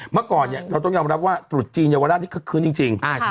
เมื่อก่อนเนี่ยเราต้องยอมรับว่าตรุษจีนเยาวราชที่คึกคืนจริง